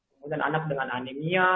kemudian anak dengan anemia